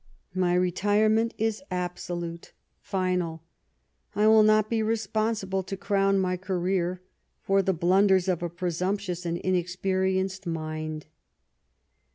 My retirement is absolute, final ; 1 will not be responsible, to crown my career, for the blunders of a presumptuous and inexperienced mind."